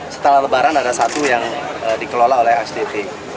setelah lebaran ada satu yang dikelola oleh sdt